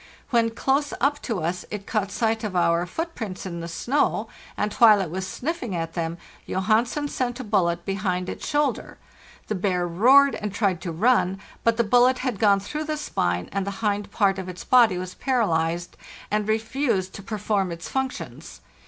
When close up to us it caught sight of our footprints in the snow, and while it was sniffing at them Johansen sent a_ bullet behind its shoulder. The bear roared and tried to run, but the bullet had gone through the spine, and the hind part of its body was paralyzed and refused to perform its func tions.